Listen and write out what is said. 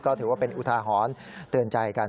ก็ถือว่าเป็นอุทาหรณ์เตือนใจกัน